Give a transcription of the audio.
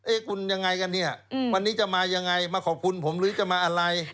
คุณยังไงกันเนี่ยวันนี้จะมายังไงมาขอบคุณผมหรือจะมาอะไร